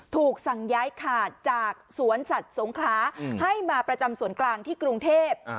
ถูกสั่งย้ายขาดจากสวนสัตว์สงคราให้มาประจำส่วนกลางที่กรุงเทพ